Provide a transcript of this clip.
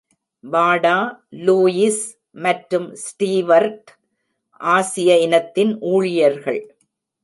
வாடா, லூயிஸ் மற்றும் ஸ்டீவர்ட் ஆசிய இனத்தின் ஊழியர்கள்.